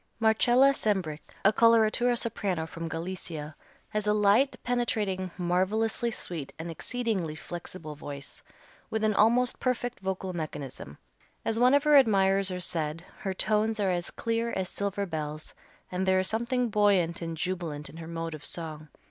Marcella Sembrich, a coloratura soprano from Galicia, has a light, penetrating, marvelously sweet, and exceedingly flexible voice, with an almost perfect vocal mechanism. As one of her admirers has said, her tones are as clear as silver bells, and there is something buoyant and jubilant in her mode of song.